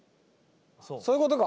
そういうことか！